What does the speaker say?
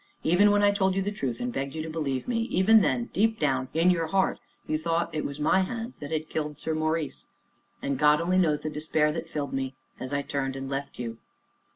Even when I told you the truth, and begged you to believe me, even then, deep down in your heart you thought it was my hand that had killed Sir Maurice, and God only knows the despair that filled me as I turned and left you.